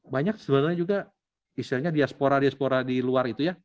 banyak sebenarnya juga istilahnya diaspora diaspora di luar itu ya